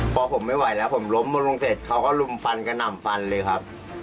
พอผมไม่ไหวแล้วผมล้มลงเสร็จเขาก็ลุมฟันกระหน่ำฟันเลยครับ